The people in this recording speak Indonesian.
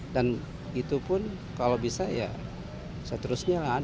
dan itu pun kalau bisa ya seterusnya gak ada